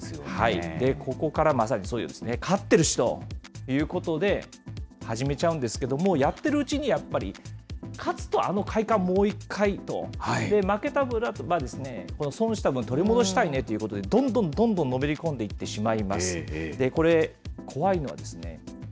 ここからまさに、そうですね、勝ってる人ということで、始めちゃうんですけれども、やっているうちに、やっぱり勝つとあの快感、もう１回と、負けた分は、損した分取り戻したいねということで、どんどんどんどんのめり込んでいってしまいます。